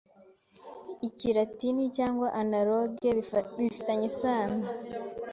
ikilatini cyangwa analogue bifitanye isano